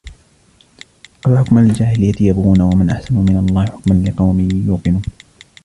أَفَحُكْمَ الْجَاهِلِيَّةِ يَبْغُونَ وَمَنْ أَحْسَنُ مِنَ اللَّهِ حُكْمًا لِقَوْمٍ يُوقِنُونَ